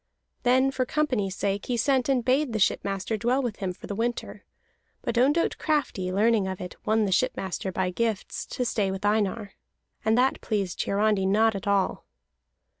Then for company's sake he sent and bade the shipmaster dwell with him for the winter; but Ondott Crafty, learning of it, won the shipmaster, by gifts, to stay with Einar. And that pleased Hiarandi not at all.